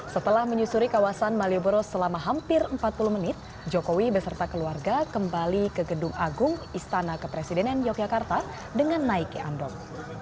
setelah menyusuri kawasan malioboro selama hampir empat puluh menit jokowi beserta keluarga kembali ke gedung agung istana kepresidenan yogyakarta dengan naiki andong